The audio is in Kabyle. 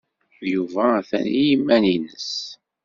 Yuba atan i yiman-nnes.